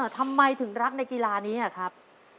ทำไมถึงรักในกีฬานี้ครับ